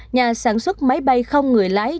nhà sản xuất máy bay không người lái